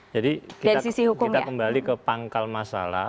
jadi kita kembali ke pangkal masalah